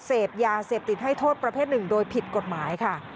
เสพยาเสพติดให้โทษประเภทหนึ่งโดยผิดกฎหมายค่ะ